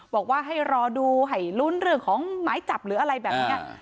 บอกว่าให้รอดูให้ลุ้นเรื่องของหมายจับหรืออะไรแบบนี้